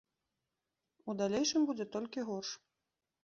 У далейшым будзе толькі горш.